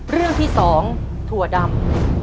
เรื่องที่๒ถั่วดำ